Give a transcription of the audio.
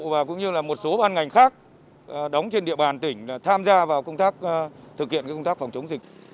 và cũng như là một số ban ngành khác đóng trên địa bàn tỉnh tham gia vào công tác thực hiện công tác phòng chống dịch